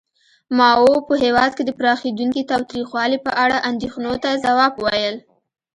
ماوو په هېواد کې د پراخېدونکي تاوتریخوالي په اړه اندېښنو ته ځواب وویل.